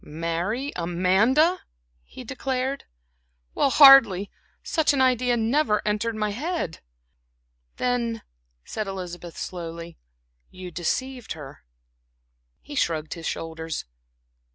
"Marry Amanda!" he declared, "well, hardly! Such an idea never entered my head." "Then," said Elizabeth, slowly "you deceived her." He shrugged his shoulders.